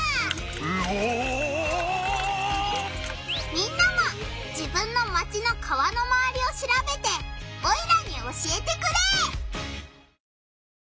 みんなも自分のマチの川のまわりをしらべてオイラに教えてくれ！